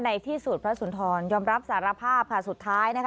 ในที่สุดพระสุนทรยอมรับสารภาพค่ะสุดท้ายนะคะ